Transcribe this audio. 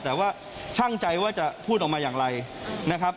แต่ว่าช่างใจว่าจะพูดออกมาอย่างไรนะครับ